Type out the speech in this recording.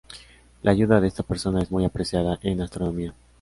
La ayuda de esta persona es muy apreciada en Astronomía.